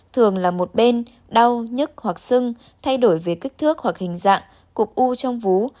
thường là một bên đau nhức hoặc sưng thay đổi về kích thước hoặc hình dạng cục u trong vú